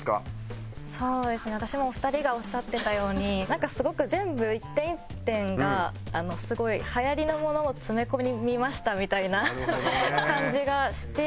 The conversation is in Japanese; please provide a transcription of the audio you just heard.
私もお二人がおっしゃってたようになんかすごく全部一点一点がすごいはやりのものを詰め込みましたみたいな感じがして。